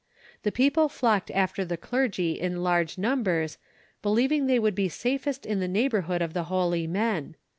The people flocked after the clergy in large numbers, believing they would be safest in the neighborhood of the holy men.